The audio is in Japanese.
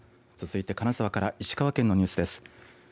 続いて、金沢から石川県のニュースです。